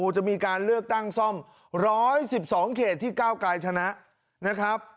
จะมีการเลือกตั้งซ่อม๑๑๒เครติที่๙กายชนะ